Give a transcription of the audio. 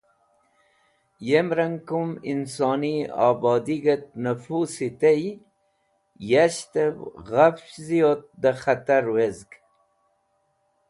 Yem rang, kum insoni obodig̃h et nafusi tey, yashtev ghafch ziyot dẽ khatar wezg.